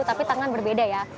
tapi tangan berbeda ya